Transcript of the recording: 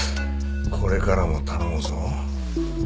これからも頼むぞ。